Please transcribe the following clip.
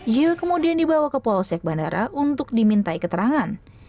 jw kemudian dibawa ke polsek bandara untuk dimintai keterangan